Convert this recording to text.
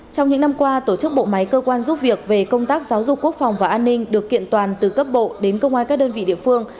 trong những năm qua tổ chức bộ máy cơ quan giúp việc về công tác giáo dục quốc phòng và an ninh được kiện toàn từ cấp bộ đến công an các đơn vị địa phương